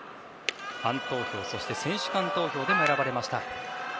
ファン投票、そして選手間投票でも選ばれました。